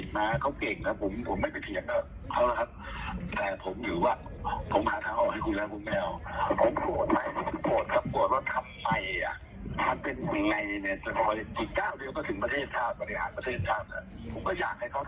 มันจะพาปากการไปเลย